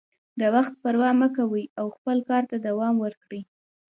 د وخت پروا مه کوئ او خپل کار ته دوام ورکړئ.